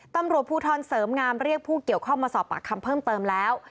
ตำรวจภูทรเสริมงามเรียกผู้เกี่ยวข้องมาสอบปากคำเพิ่มเติมแล้ว